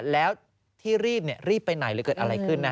แล้วที่รีบรีบไปไหนหรือเกิดอะไรขึ้น